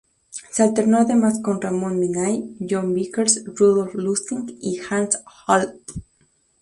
Se alternó además con Ramón Vinay, Jon Vickers, Rudolf Lustig y Hans Hopf.